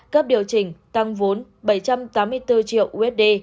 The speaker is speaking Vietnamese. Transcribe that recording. cấp điều chỉnh tăng vốn bảy trăm tám mươi bốn triệu usd